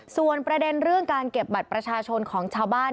ส่วนประเด็นเรื่องการเก็บบัตรประชาชนของชาวบ้าน